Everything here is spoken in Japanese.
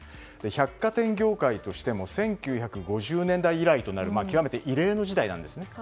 百貨店業界としても１９５０年代以来となる極めて異例の事態なんですね。